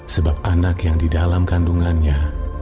sebab anak yang di dalam kandungannya